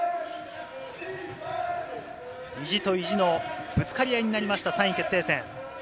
意地と意地のぶつかり合いになりました、３位決定戦。